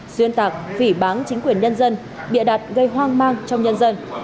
xuyên tạc phỉ bán chính quyền nhân dân bịa đặt gây hoang mang trong nhân dân